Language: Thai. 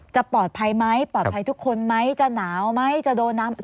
จะปลอดภัยไหมปลอดภัยทุกคนไหมจะหนาวไหมจะโดนน้ำ